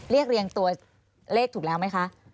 เรียงตัวเลขถูกแล้วไหมคะ